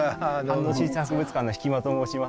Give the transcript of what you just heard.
飯能市立博物館の引間と申します。